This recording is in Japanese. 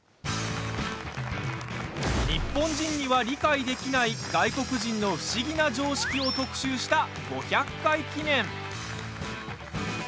日本人には理解できない外国人の不思議な常識を特集した５００回記念。